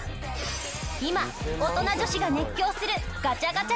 今大人女子が熱狂するガチャガチャ